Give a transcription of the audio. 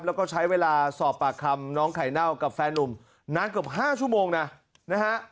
แล้วก็ใช้เวลาสอบปากคำน้องไข่เน่ากับแฟนนุ่มนานเกือบ๕ชั่วโมงนะนะฮะ